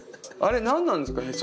あれ何なんですか？